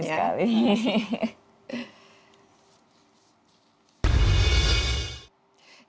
terima kasih sekali